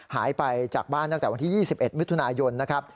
หายไปจากบ้านตั้งแต่วันที่๒๑มิถุนายนนะครับ